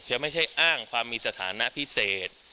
ยังไม่ใช่อ้างความมีสถานะพิเศษ